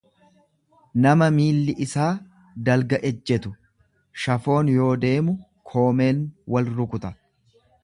nama miilli isaa dalga ejjetu; Shafoon yoo deemu koomeen wal rukuta.